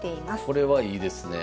これはいいですねえ。